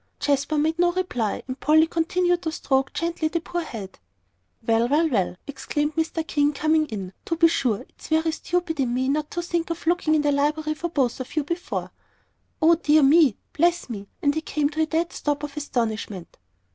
Jasper made no reply, and Polly continued to stroke gently the poor head. "Well well well!" exclaimed Mr. King, coming in, "to be sure, it's very stupid in me not to think of looking in the library for both of you before. O dear me bless me!" And he came to a dead stop of astonishment.